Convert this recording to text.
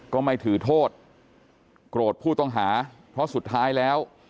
ก็ไม่ถือโทษโกรธผู้ต้องหาเพราะสุดท้ายแล้ว